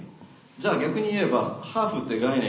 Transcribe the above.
じゃあ逆に言えばハーフって概念